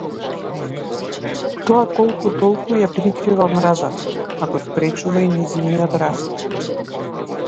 Тоа колку толку ја прикрива омразата, а го спречува и нејзиниот раст.